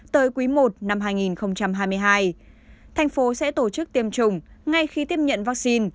tới quý i năm hai nghìn hai mươi hai thành phố sẽ tổ chức tiêm chủng ngay khi tiếp nhận vaccine